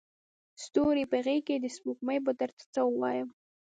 ستوري په غیږکي د سپوږمۍ به درته څه وایمه